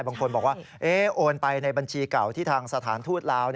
บางคนบอกว่าโอนไปในบัญชีเก่าที่ทางสถานทูตลาว